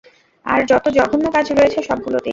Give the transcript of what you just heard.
আর যত জঘন্য কাজ রয়েছে সবগুলোতেই।